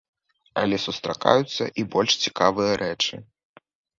Але сустракаюцца і больш цікавыя рэчы.